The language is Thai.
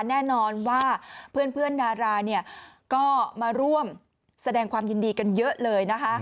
แน่นอนว่าเพื่อนดาราก็มาร่วมแสดงความยินดีกันเยอะเลยนะคะ